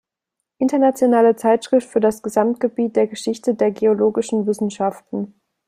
Internationale Zeitschrift für das Gesamtgebiet der Geschichte der geologischen Wissenschaften.